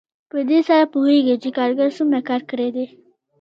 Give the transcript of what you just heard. په دې سره پوهېږو چې کارګر څومره کار کړی دی